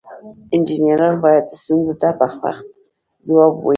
انجینران باید ستونزو ته په وخت ځواب ووایي.